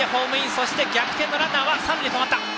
そして逆転のランナーは三塁で止まりました。